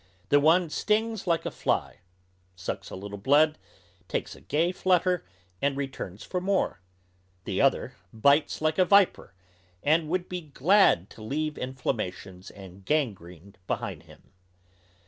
The one stings like a fly, sucks a little blood, takes a gay flutter, and returns for more; the other bites like a viper, and would be glad to leave inflammations and gangrene behind him.